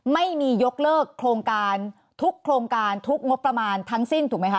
ไม่มียกเลิกโครงการทุกโครงการทุกงบประมาณทั้งสิ้นถูกไหมคะ